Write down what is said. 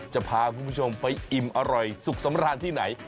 จะพาคุณผู้ชมไปอิ่มอร่อยสุขสำราญที่ไหน